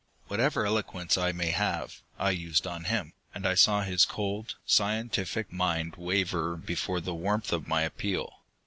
Whatever eloquence I may have, I used on him, and I saw his cold, scientific mind waver before the warmth of my appeal.